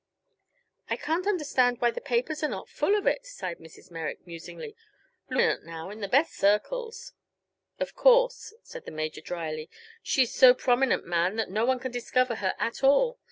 "I can't understand why the papers are not full of it," sighed Mrs. Merrick, musingly. "Louise is so prominent now in the best circles." "Of course," said the Major, drily; "she's so prominent, ma'am, that no one can discover her at all!